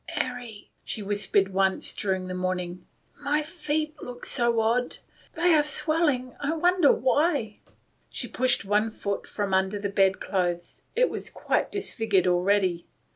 "Mary," she whispered once during the morning, " my hands look so horrid. They are swelling — I wonder why ?" She pushed one foot from under the bed clothes. It was quite disfigured already.